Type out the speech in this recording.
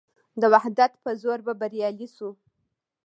د وحدت په زور به بریالي شو.